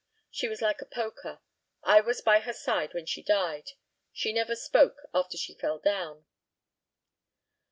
She was like a poker. I was by her side when she died. She never spoke after she fell down.